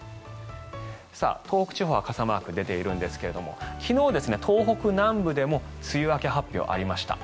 東北地方は傘マーク出ているんですが昨日、東北南部でも梅雨明け発表ありました。